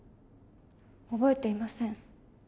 覚えていません。